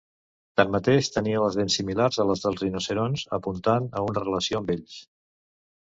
Tanmateix, tenia les dents similars a les dels rinoceronts, apuntant a una relació amb ells.